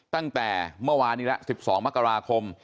ตั้งแต่เมื่อวานนี้แล้ว๑๒มกราคม